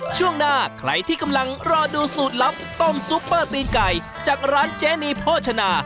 ช่วงหน้าใครที่กำลังรอดูสูตรลับต้มซุปเปอร์ตีนไก่จากร้านเจนีโภชนา